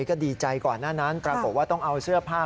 ก็ดีใจก่อนหน้านั้นปรากฏว่าต้องเอาเสื้อผ้า